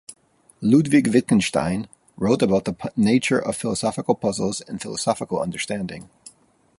Ludwig Wittgenstein wrote about the nature of philosophical puzzles and philosophical understanding.